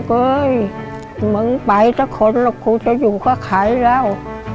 ลูกเอ้ยเหมือนปลายทุกคนคงจะอยู่ค่ะขายแล้ว